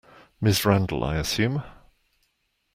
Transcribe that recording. Ms Randall, I assume?